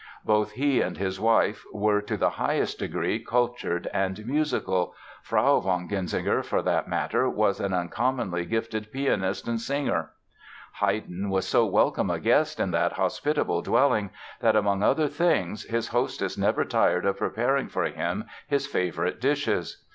Both he and his wife were to the highest degree cultured and musical—Frau von Genzinger, for that matter, was an uncommonly gifted pianist and singer. Haydn was so welcome a guest in that hospitable dwelling that, among other things, his hostess never tired of preparing for him his favorite dishes.